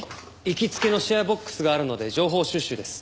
行きつけのシェアボックスがあるので情報収集です。